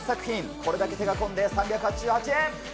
これだけ手が込んで３８８円。